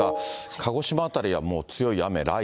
鹿児島辺りはもう強い雨、雷雨。